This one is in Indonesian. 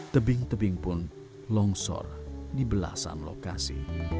tebing tebing pun longsor di belasan lokasi